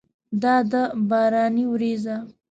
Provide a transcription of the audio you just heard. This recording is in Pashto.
دا ده باراني ورېځه!